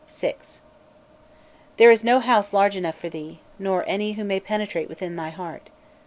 "VI. There is no house large enough for thee, nor any who may penetrate within thy heart!